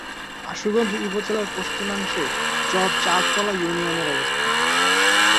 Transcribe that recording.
আশুগঞ্জ উপজেলার পশ্চিমাংশে চর চারতলা ইউনিয়নের অবস্থান।